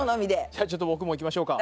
じゃあちょっと僕もいきましょうか。